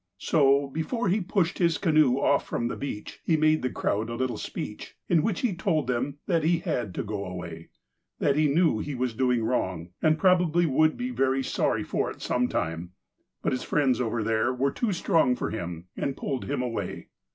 So, before he pushed his canoe off from the beach, he made the crowd a little speech, in which he told them that he had to go away. That he knew he was doing wrong, and probably would be very sorry for it some time. But his friends over there were too strong for him and pulled him away.